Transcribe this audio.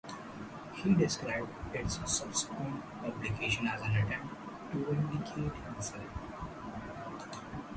He described its subsequent publication as an attempt to vindicate himself.